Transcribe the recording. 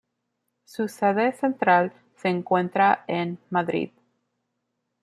Su sede central se encuentra en Madrid.